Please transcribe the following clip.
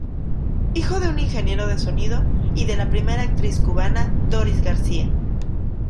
Hijo de un ingeniero de sonido y de la primera actriz cubana Doris García.